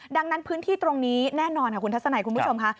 ดังนั้นพื้นที่ตรงนี้แน่นอนค่ะคุณทัศนัยคุณผู้ชมค่ะ